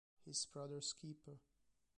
His Brother's Keeper